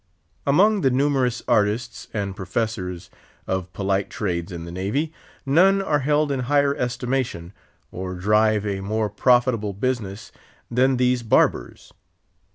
Among the numerous artists and professors of polite trades in the Navy, none are held in higher estimation or drive a more profitable business than these barbers.